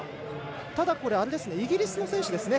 ただ、イギリスの選手です。